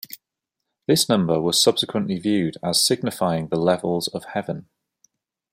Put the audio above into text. This number was subsequently viewed as signifying the levels of heaven.